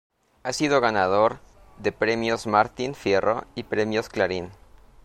Ha sido ganador de Premios Martin Fierro, y Premios Clarín.